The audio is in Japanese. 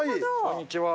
こんにちは！